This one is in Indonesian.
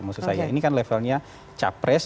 maksud saya ini kan levelnya capres